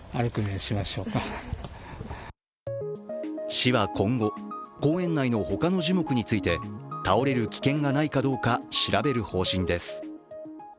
市は今後、公園内の他の樹木について倒れる危険がないかどうか調べる方針です。